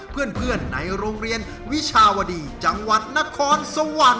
เพื่อนในโรงเรียนวิชาวดีจังหวัดนครสวรรค์